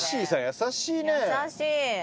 優しい。